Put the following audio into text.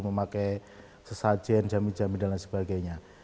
memakai sesajen jamin jamin dan lain sebagainya